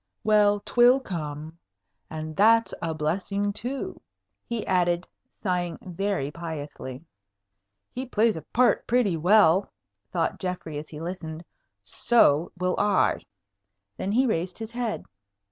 Well, 'twill come. And that's a blessing too," he added, sighing very piously. "He plays a part pretty well," thought Geoffrey as he listened. "So will I." Then he raised his head.